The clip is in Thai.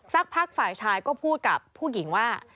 สักพักฝ่ายชายก็พูดกับผู้หญิงว่า